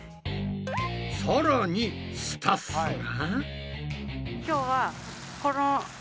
さらにスタッフが。